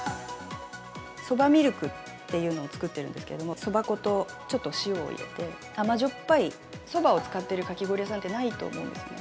そばミルクというのを作っているんですけれども、そば粉とちょっと塩を入れて、甘じょっぱい、そばを使っているかき氷屋さんってないと思うんですね。